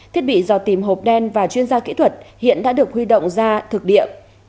thiết bị do tìm hộp đen và chuyên gia kỹ thuật hiện đã được huy động ra thực địa